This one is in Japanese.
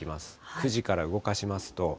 ９時から動かしますと。